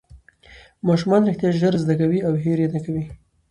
ماشومان رښتیا ژر زده کوي او هېر یې نه کوي